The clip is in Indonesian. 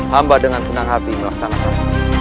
hamba dengan senang hati melakkan tangan